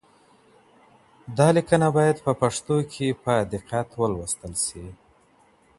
دا ليکنه باید په پښتو کي په دقت ولوستل سي.